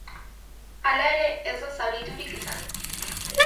Hala ere, ez da zauriturik izan.